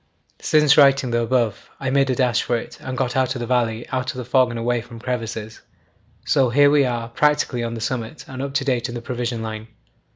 'Since writing the above I made a dash for it, got out of the valley out of the fog and away from crevasses. So here we are practically on the summit and up to date in the provision line.